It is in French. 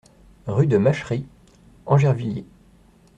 Rue de Machery, Angervilliers